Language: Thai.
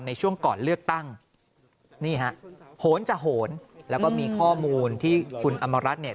ในช่วงก่อนเลือกตั้งนี่ฮะโหนจะโหนแล้วก็มีข้อมูลที่คุณอำมารัฐเนี่ย